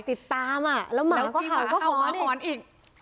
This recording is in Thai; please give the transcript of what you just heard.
ติดตามอะแล้วมาก็ห่อนอีก